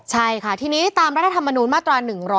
ใช่ค่ะทีนี้ตามรัฐธรรมนูญมาตรา๑๑๒